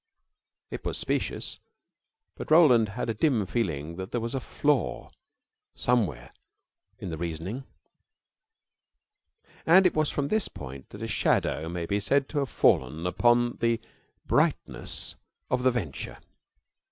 It was specious, but Roland had a dim feeling that there was a flaw somewhere in the reasoning; and it was from this point that a shadow may be said to have fallen upon the brightness of the venture.